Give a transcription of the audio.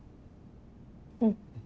うん。